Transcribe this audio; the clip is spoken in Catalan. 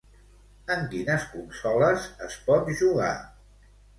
En quines consoles es pot jugar?